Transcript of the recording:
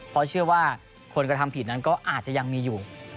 เพราะเชื่อว่าคนกระทำผิดนั้นก็อาจจะยังมีอยู่